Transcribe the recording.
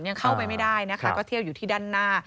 ยังเข้าไปไม่ได้นะคะก็เที่ยวอยู่ที่ด้านหน้า